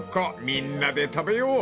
みんなで食べよう］